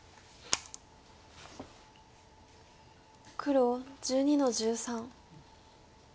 黒１２の十三。